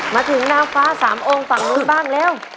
มาถึงนางฟ้าสามองค์ฝั่งนู้นบ้างเร็ว